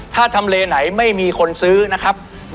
ถ้าทำเลไหนไม่มีคนซื้อนะครับ